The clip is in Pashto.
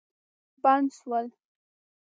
بند سول.